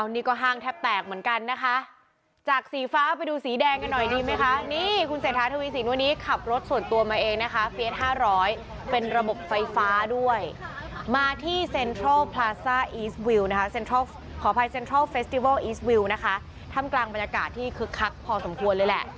ต้องพื้นที่หาเสียงในเขตกรุงเทพฯอะค่ะ